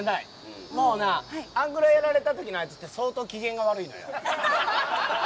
もうな、あんぐらいやられた時のあいつって相当機嫌が悪いのよ。